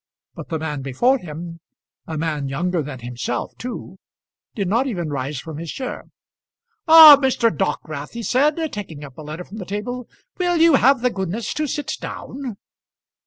But the man before him, a man younger than himself too, did not even rise from his chair. "Ah! Mr. Dockwrath," he said, taking up a letter from the table, "will you have the goodness to sit down?"